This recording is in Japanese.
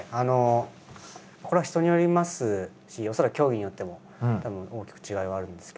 これは人によりますし恐らく競技によってもたぶん大きく違いはあるんですけど。